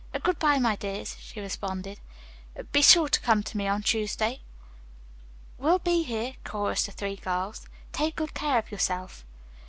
"Good bye, my dears," she responded. "Be sure to come to me on Tuesday." "We'll be here," chorused the three girls. "Take good care of yourself."